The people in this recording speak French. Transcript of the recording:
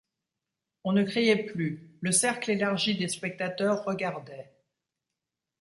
On ne criait plus, le cercle élargi des spectateurs regardait.